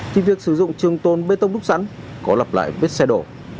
khi việc sử dụng trường tôn bê tông đúc sẵn có lặp lại bếp xe đổ